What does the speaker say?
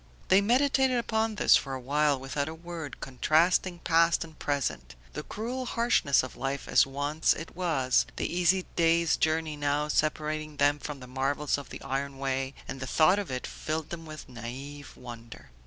They meditated upon this for a while without a word, contrasting past and present; the cruel harshness of life as once it was, the easy day's journey now separating them from the marvels of the iron way, and the thought of it filled them with naive wonder.